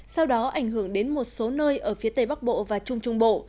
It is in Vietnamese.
sau đó ảnh hưởng đến một số nơi ở phía tây bắc bộ và trung trung bộ